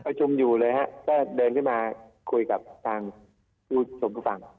อยู่เลยฮะก็เดินขึ้นมาคุยกับทางผู้ชมผู้ฟัง